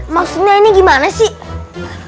maksudnya ini gimana sih